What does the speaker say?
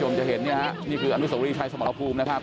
ที่จะเห็นอันนี้คืออันนี้โซเรียใช้สมรภูมินะครับ